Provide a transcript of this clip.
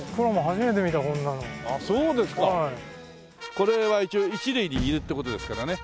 これは一応一塁にいるって事ですからね。